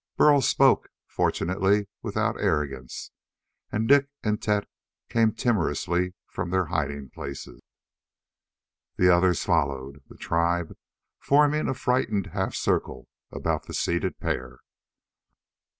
Burl spoke fortunately without arrogance and Dik and Tet came timorously from their hiding places. The others followed, the tribe forming a frightened half circle about the seated pair.